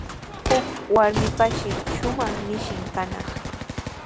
Huk warmipashi shumaq mishin kanaq.